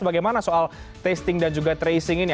bagaimana soal testing dan juga tracing ini